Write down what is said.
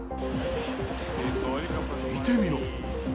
見てみろ。